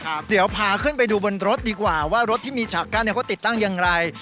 เดี๋ยวพาขึ้นไปดูบนรถดีกว่าว่ารถที่มีฉากกั้นเนี้ยเขาติดตั้งอย่างไร